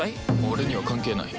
俺には関係ない。